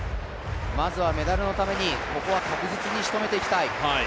まずはメダルのために、ここは確実にしとめていきたい。